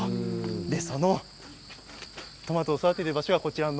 そのトマトを育てている場所がこちらです。